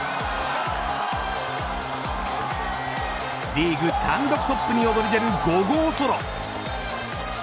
リーグ単独トップに躍り出る５号ソロ。